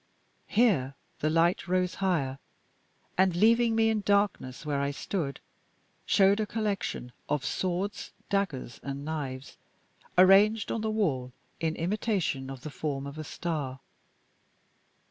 Here the light rose higher, and, leaving me in darkness where I stood, showed a collection of swords, daggers, and knives arranged on the wall in imitation of the form of a star.